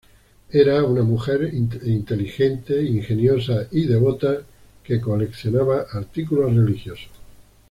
Era una mujer inteligente, ingeniosa y devota, que coleccionaba artículos religiosos.